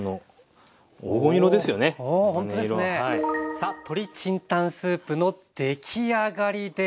さあ鶏清湯スープの出来上がりです。